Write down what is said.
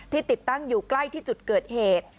ติดตั้งอยู่ใกล้ที่จุดเกิดเหตุ